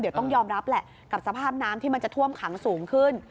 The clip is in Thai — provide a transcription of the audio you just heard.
เดี๋ยวต้องยอมรับแหละกับสภาพน้ำที่มันจะท่วมขังสูงขึ้น